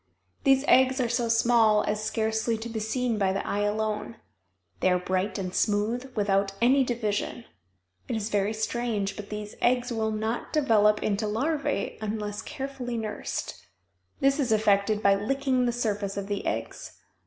These eggs are so small as scarcely to be seen by the eye alone. They are bright and smooth, without any division. It is very strange, but these eggs will not develop into larvæ unless carefully nursed. This is effected by licking the surface of the eggs.